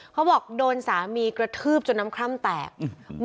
เขาบอกโดนสามีกระทืบจนน้ำคร่ำแตก